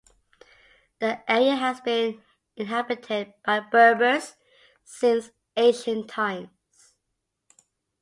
The area has been inhabited by Berbers since ancient times.